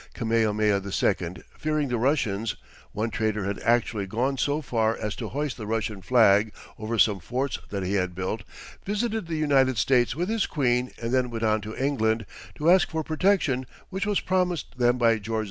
Kamehameha II, fearing the Russians one trader had actually gone so far as to hoist the Russian flag over some forts that he had built visited the United States with his queen and then went on to England to ask for protection, which was promised them by George IV.